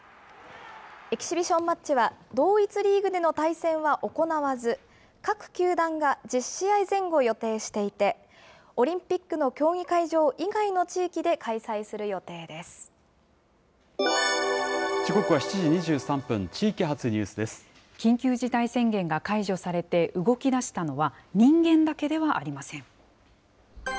エキシビションマッチは同一リーグでの対戦は行わず、各球団が１０試合前後予定していて、オリンピックの競技会場以外の地域で開時刻は７時２３分、地域発ニ緊急事態宣言が解除されて、動きだしたのは、人間だけではありません。